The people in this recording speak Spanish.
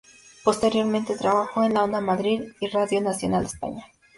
Posteriormente trabajó en Onda Madrid y Radio Nacional de España.